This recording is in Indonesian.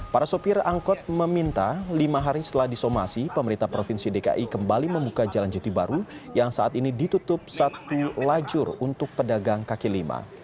para sopir angkot meminta lima hari setelah disomasi pemerintah provinsi dki kembali membuka jalan jati baru yang saat ini ditutup satu lajur untuk pedagang kaki lima